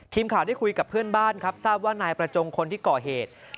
ทีมข่าวได้คุยกับเพื่อนบ้านครับทราบว่านายประจงคนที่ก่อเหตุ